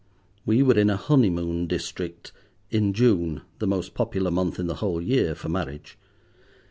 We were in a honeymoon district, in June—the most popular month in the whole year for marriage.